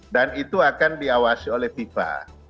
dan itu akan diawasi oleh fifa